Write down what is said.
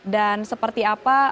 dan seperti apa informasi